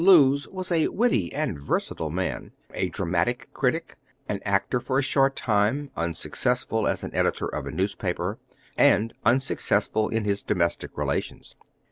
Lewes was a witty and versatile man, a dramatic critic, an actor for a short time, unsuccessful as an editor of a newspaper, and unsuccessful in his domestic relations.